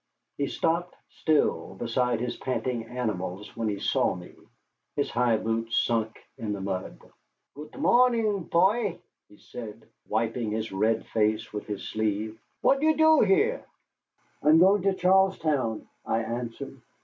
He stopped still beside his panting animals when he saw me, his high boots sunk in the mud. "Gut morning, poy," he said, wiping his red face with his sleeve; "what you do here?" "I am going to Charlestown," I answered.